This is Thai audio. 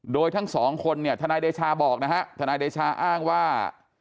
โดยทั้งสองคนเนี่ยทนายเดชาบอกนะฮะทนายเดชาอ้างว่า